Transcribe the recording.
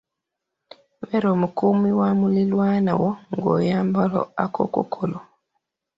Beera omukuumi wa muliraanwa wo ng'oyambala akakookolo.